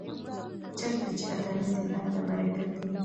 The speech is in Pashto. چېرته چې عدالت وي هلته برکت وي.